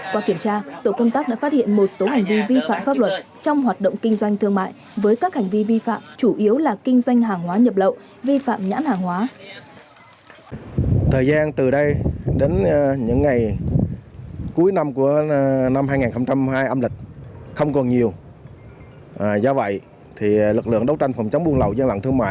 qua kiểm tra tổ công tác đã phát hiện một số hành vi vi phạm pháp luật trong hoạt động kinh doanh thương mại với các hành vi vi phạm chủ yếu là kinh doanh hàng hóa nhập lậu vi phạm nhãn hàng hóa